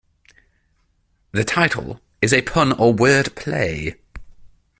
The title is a pun or word play.